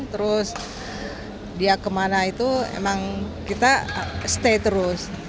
terus dia kemana itu emang kita stay terus